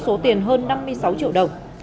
số tiền hơn năm mươi sáu triệu đồng